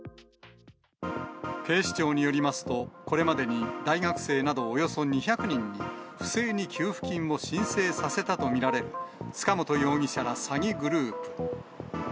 警視庁によりますと、これまでに大学生などおよそ２００人に、不正に給付金を申請させたと見られる塚本容疑者ら詐欺グループ。